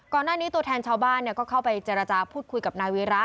ก่อนหน้านี้ตัวแทนชาวบ้านก็เข้าไปเจรจาพูดคุยกับนายวีระ